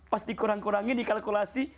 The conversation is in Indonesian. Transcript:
pas dikurang kurangin dikalkulasi